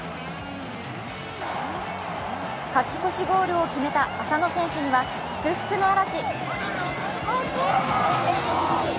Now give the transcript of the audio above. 勝ち越しゴールを決めた浅野選手には祝福の嵐。